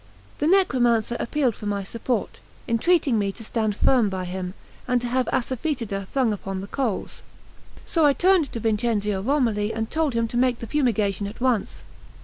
The necromancer appealed for my support, entreating me to stand firm by him, and to have assafetida flung upon the coals; so I turned to Vincenzio Romoli, and told him to make the fumigation at once.